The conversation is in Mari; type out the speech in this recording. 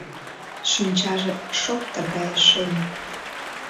Шинчаже шоптыр гае шеме.